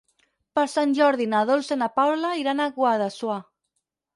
Per Sant Jordi na Dolça i na Paula iran a Guadassuar.